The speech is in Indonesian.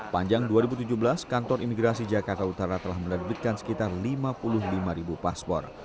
panjang dua ribu tujuh belas kantor imigrasi jakarta utara telah menerbitkan sekitar lima puluh lima ribu paspor